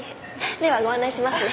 ではご案内しますね。